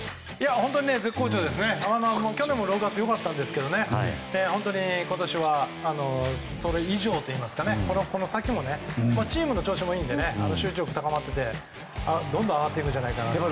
本当に絶好調で去年も６月は良かったですが本当に今年はそれ以上といいますかチームの調子もいいので集中力が高まっていてどんどん上がっていくと思います。